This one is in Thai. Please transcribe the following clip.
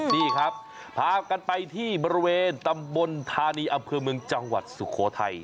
นี่ครับพากันไปที่บริเวณตำบลธานีอำเภอเมืองจังหวัดสุโขทัย